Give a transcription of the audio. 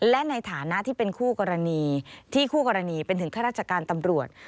และในฐานะที่เป็นคู่กรณีที่คู่กรณีเป็นถึงข้าราชการตำรวจ